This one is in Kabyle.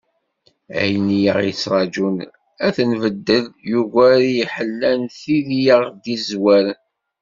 Ayen i aɣ-yettraǧun ad t-nbeddel, yugar i d-ḥellant tid i aɣ-d-yezwaren.